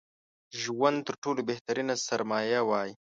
ژوند تر ټولو بهترينه سرمايه وای